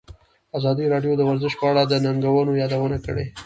ازادي راډیو د ورزش په اړه د ننګونو یادونه کړې.